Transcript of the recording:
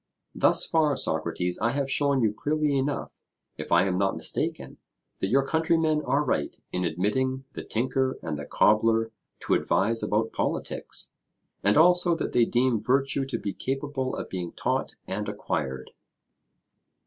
Thus far, Socrates, I have shown you clearly enough, if I am not mistaken, that your countrymen are right in admitting the tinker and the cobbler to advise about politics, and also that they deem virtue to be capable of being taught and acquired.